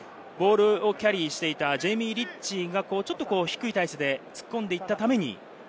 ボールをキャリーしていたジェイミー・リッチーが、ちょっと低い体勢で突っ込んでいったために。